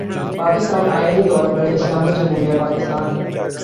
پاکستان آئینی طور پر 'اسلامی جمہوریہ پاکستان‘ ہے۔